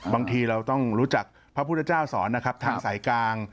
บางทีเราต้องรู้จักพระพุทธเจ้าสอนนะครับทางสายกลาง